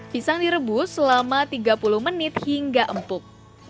pisang direbus selama tiga puluh menit hingga empuk